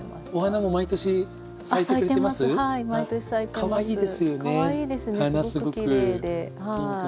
かわいいですねすごくきれいで。